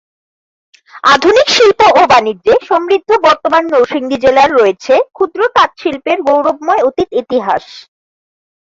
আধুনিক শিল্প ও বাণিজ্যে সমৃদ্ধ বর্তমান নরসিংদী জেলার রয়েছে ক্ষুদ্র তাঁত শিল্পের গৌরবময় অতীত ইতিহাস।